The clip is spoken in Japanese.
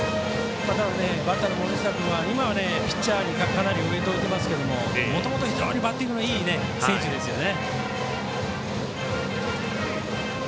ただ、バッターの森下君は今はピッチャーにかなりウエイト割いていますけれどももともと非常にバッティングのいい選手ですよね。